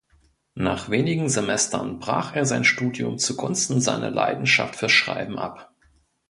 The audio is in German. Nach wenigen Semestern brach er sein Studium zu Gunsten seiner Leidenschaft fürs Schreiben ab.